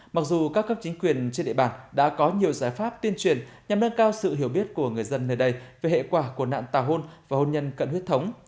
mặc dù các cấp chính quyền trên địa bàn đã có nhiều giải pháp tuyên truyền nhằm nâng cao sự hiểu biết của người dân nơi đây về hệ quả của nạn tà hôn và hôn nhân cận huyết thống